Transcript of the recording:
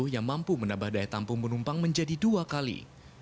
yang mampu menambah daya tampung penumpang menjadi dua kali